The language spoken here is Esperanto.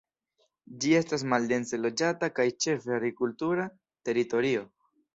Ĝi estas maldense loĝata kaj ĉefe agrikultura teritorio.